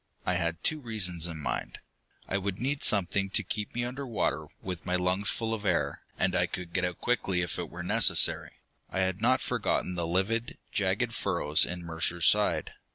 I had two reasons in mind. I would need something to keep me under water, with my lungs full of air, and I could get out quickly if it were necessary. I had not forgotten the livid, jagged furrows in Mercer's side.